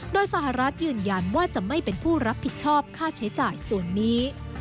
โดยสหรัฐยืนยันว่าจะไม่เป็นผู้รับผิดชอบค่าใช้จ่ายส่วนนี้